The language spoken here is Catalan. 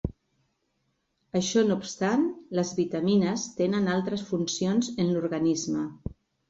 Això no obstant, les vitamines tenen altres funcions en l'organisme.